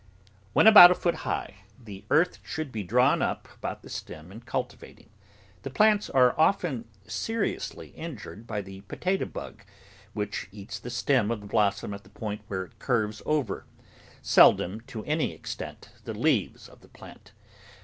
When about a foot high, the earth should be drawn up about the stem in cultivating. The plants are often seriously injured by the potato bug, which eats the stem of the blossom at the point where it curves over, seldom, to any extent, the leaves of the plant.